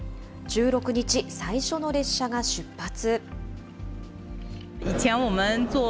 １６日、最初の列車が出発。